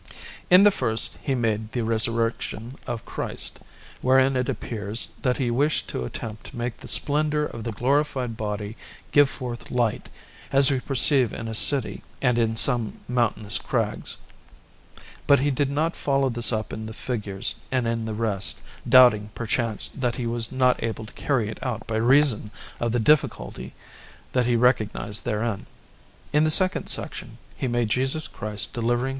In the first he made the Resurrection of Christ, wherein it appears that he wished to attempt to make the splendour of the Glorified Body give forth light, as we perceive in a city and in some mountainous crags; but he did not follow this up in the figures and in the rest, doubting, perchance, that he was not able to carry it out by reason of the difficulty that he recognized therein. In the second section he made Jesus Christ delivering S.